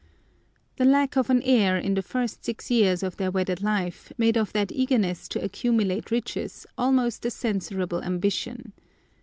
The lack of an heir in the first six years of their wedded life made of that eagerness to accumulate riches almost a censurable ambition.